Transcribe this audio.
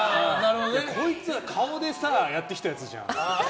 こいつは顔でやってきたやつじゃん！